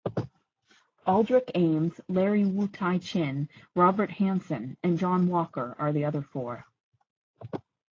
Aldrich Ames, Larry Wu-Tai Chin, Robert Hanssen, and John Walker are the other four.